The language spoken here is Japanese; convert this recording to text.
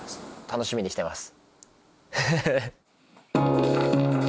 楽しみにしてます。